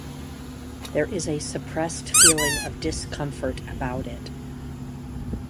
There is a suppressed feeling of discomfort about it.